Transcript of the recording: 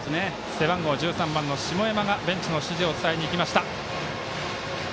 背番号１３番の下山がベンチの指示を伝えにいきました。